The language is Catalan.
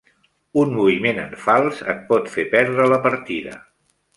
Un moviment en fals et pot fer perdre la partida.